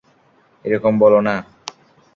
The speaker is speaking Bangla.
এরকম বলো না।